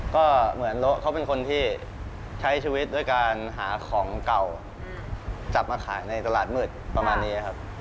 ก็เหมือนโต๊ะเขาเป็นคนที่ใช้ชีวิตด้วยการหาของเก่าจับมาขายในตลาดมืดประมาณนี้ครับ